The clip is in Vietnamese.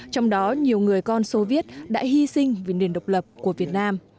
trong đó nhiều người con soviet đã hy sinh vì nền độc lập của việt nam